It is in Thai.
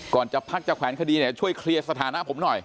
จะพักจะแขวนคดีเนี่ยช่วยเคลียร์สถานะผมหน่อย